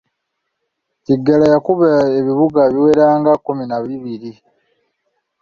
Kiggala yakuba ebibuga biwera nga kkumi na bibiri.